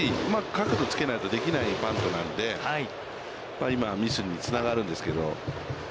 角度つけないとできないバントなので、ミスにつながるんですけど。